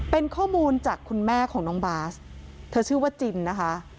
เป็นข้อมูลจากคุณแม่ของน้องบาสเธอชื่อว่าจินนะคะ